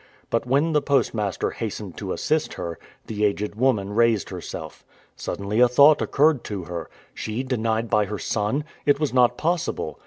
But when the postmaster hastened to assist her, the aged woman raised herself. Suddenly a thought occurred to her. She denied by her son! It was not possible.